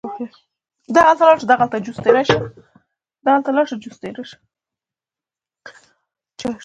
چې شاعرۍ کښې ترې کار واخلي